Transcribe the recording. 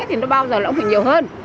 thì nó bao giờ nó cũng phải nhiều hơn